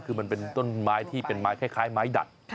คือมันเป็นต้นไม้ที่เป็นไม้คล้ายไม้ดัด